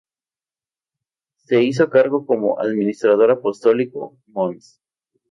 Se hizo cargo como Administrador Apostólico, mons.